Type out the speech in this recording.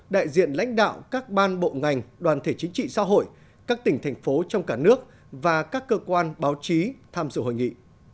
đại diện lãnh đạo các ban bộ ngành đoàn thể chính trị xã hội các tỉnh thành phố trong cả nước và các cơ quan báo chí tham dự hội nghị